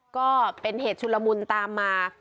ก็เป็นเหตุชุลมุนตามมา